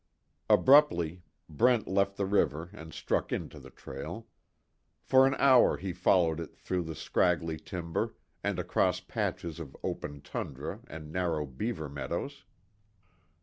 Abruptly, Brent left the River and struck into the trail. For an hour he followed it through the scraggly timber and across patches of open tundra and narrow beaver meadows.